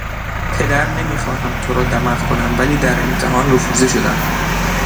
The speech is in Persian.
پدر نمیخواهم تو را دمق کنم ولی در امتحان رفوزه شدم.